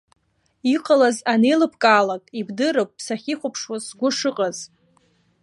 Иҟалаз анеилыбкаалак, ибдырып сахьихәаԥшуаз сгәы шыҟаз.